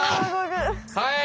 はい！